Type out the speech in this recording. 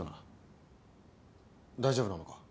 大丈夫なのか？